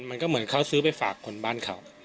มันก็เหมือนเขาซื้อไปฝากคนบ้านเขา